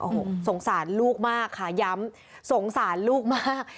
โอ้โหสงสารลูกมากค่ะย้ำสงสารลูกมาก